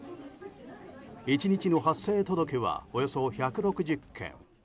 １日の発生届はおよそ１６０件。